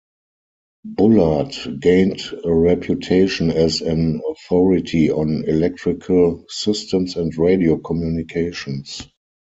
Bullard gained a reputation as an authority on electrical systems and radio communications.